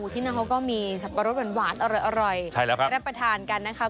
ที่นั่นเขาก็มีสับปะรดหวานอร่อยรับประทานกันนะคะ